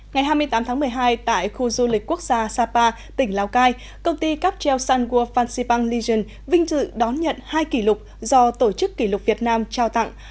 ngày hai mươi tám tháng một mươi hai tại khu du lịch quốc gia sapa tỉnh lào cai công ty cáp treo sun của phan xipang legion vinh dự đón nhận hai kỷ lục do tổ chức kỷ lục việt nam trao tặng